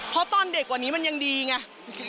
เพราะตอนเด็กกว่านี้มันยังดีไง